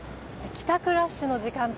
帰宅ラッシュの時間帯。